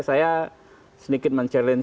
saya sedikit menceritakan